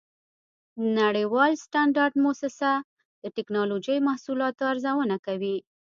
د نړیوال سټنډرډ مؤسسه د ټېکنالوجۍ محصولاتو ارزونه کوي.